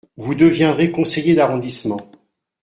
Vous deviendrez conseiller d’arrondissement.